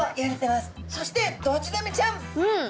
そしてドチザメちゃん。